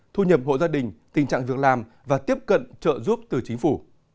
thu nhập hộ gia đình tình trạng việc làm và tiếp cận trợ giúp từ chính phủ